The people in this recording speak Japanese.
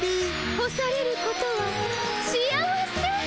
干されることは幸せ。